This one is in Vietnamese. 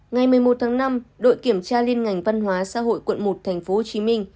ngày một mươi một tháng năm đội kiểm tra liên ngành văn hóa xã hội quận một tp hcm